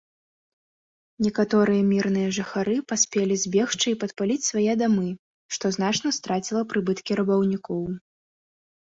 Некаторыя мірныя жыхары паспелі збегчы і падпаліць свае дамы, што значна страціла прыбыткі рабаўнікоў.